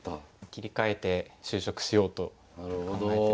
切り替えて就職しようと考えてました。